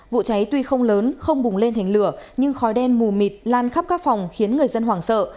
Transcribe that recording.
vụ cháy tuy không lớn không bùng lên thành lửa nhưng khói đen mù mịt lan khắp các phòng khiến người dân hoảng sợ